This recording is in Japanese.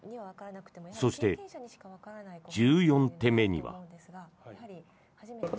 そして、１４手目には。